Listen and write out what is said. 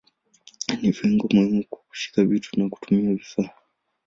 Ni viungo muhimu kwa kushika vitu na kutumia vifaa.